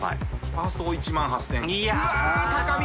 パーソー１万８０００。